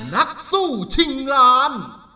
นักสู้ชิงล้าน